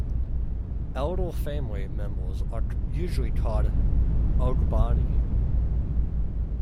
Elder family members are usually called "Ogboni".